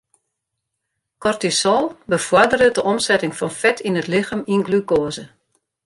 Kortisol befoarderet de omsetting fan fet yn it lichem yn glukoaze.